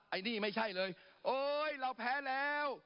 ไอ้นี่ไม่ใช่เลยโอ๊ยเราแพ้แล้ว